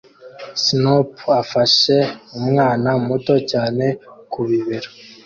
Snoopy afashe umwana muto cyane ku bibero